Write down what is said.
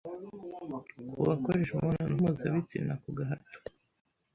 kubakoresha imibonano mpuzabitsina ku gahato